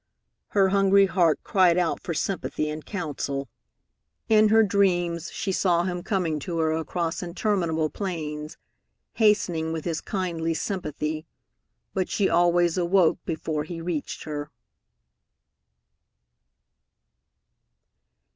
Her hungry heart cried out for sympathy and counsel. In her dreams she saw him coming to her across interminable plains, hastening with his kindly sympathy, but she always awoke before he reached her.